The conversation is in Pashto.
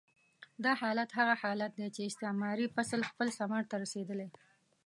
دا حالت هغه حالت دی چې استعماري فصل خپل ثمر ته رسېدلی.